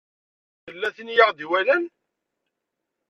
Tella tin i ɣ-d-iwalan.